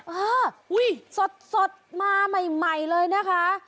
เออสดมาใหม่เลยนะคะ